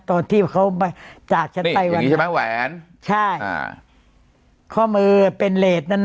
ตัวที่เขาไปจากนี่อย่างงี้ใช่ไหมแหวนใช่อ่าข้อมือเป็นเลสนั่น